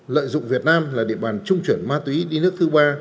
lợi dụng việt nam là địa bàn trung chuyển ma túy đi nước thứ ba